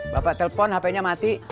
bapak telpon hp nya mati